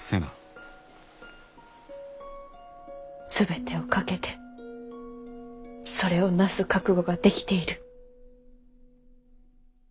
全てを懸けてそれをなす覚悟ができている。